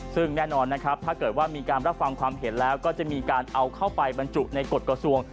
ซึ่งแน่นอนนะครับถ้าเกิดว่ามีการรับฟังความเห็นแล้วก็จะมีการเอาเข้าไปบรรจุในกฎกระทรวง